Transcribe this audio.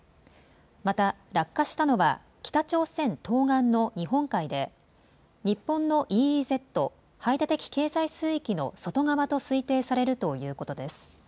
また落下したのは北朝鮮東岸の日本海で日本のＥＥＺ・排他的経済水域の外側と推定されるということです。